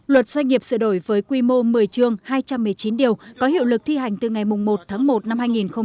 luật doanh nghiệp sửa đổi với quy mô một mươi chương hai trăm một mươi chín điều có hiệu lực thi hành từ ngày một tháng một năm hai nghìn hai mươi